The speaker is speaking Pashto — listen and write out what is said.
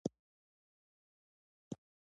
کویلیو سندرې ولیکلې.